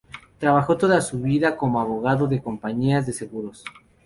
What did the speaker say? Trabajó toda su vida como abogado de compañías de seguros.